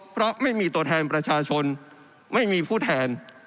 เพราะไม่มีตัวแทนประชาชนไม่มีผู้แทน